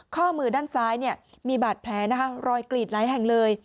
ข้อมือด้านซ้ายเนี่ยมีบาดแผลนะคะรอยกลีดไร้แห่งเลย